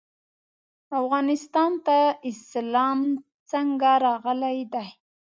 افغانستان ته اسلام څنګه راغلی دی؟